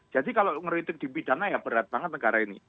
jadi kalau ngeritik di bidana ya berat banget negara ini